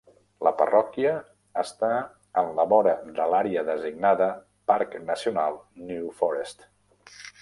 La parròquia està en la vora de l'àrea designada Parc Nacional New Forest.